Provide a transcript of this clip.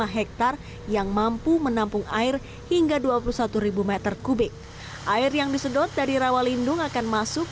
lima hektare yang mampu menampung air hingga dua puluh satu m tiga air yang disedot dari rawa lindung akan masuk